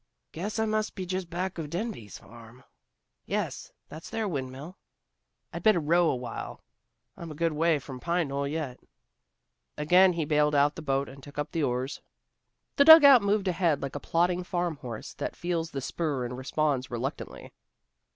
"Guess I must be just back of Denbeigh's farm. Yes, that's their windmill. I'd better row awhile. I'm a good way from Pine Knoll yet." Again he bailed out the boat and took up the oars. The dugout moved ahead like a plodding farm horse that feels the spur and responds reluctantly.